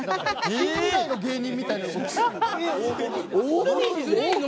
大御所の芸人みたいな。